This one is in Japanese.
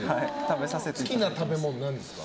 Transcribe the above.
好きな食べ物なんですか？